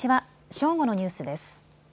正午のニュースです。